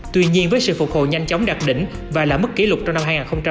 tuy nhiên với sự phục hồi nhanh chóng đạt đỉnh và lãng mất kỷ lục trong năm hai nghìn hai mươi một